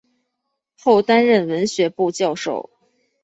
后担任文学部教授。